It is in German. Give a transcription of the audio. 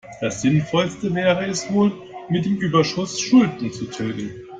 Das Sinnvollste wäre es wohl, mit dem Überschuss Schulden zu tilgen.